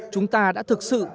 chúng ta đã thực sự